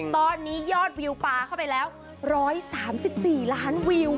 ตอนนี้ยอดวิวปลาเข้าไปแล้ว๑๓๔ล้านวิว